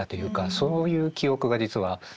そういう記憶が実はあるんです。